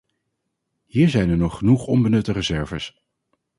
Hier zijn er nog genoeg onbenutte reserves.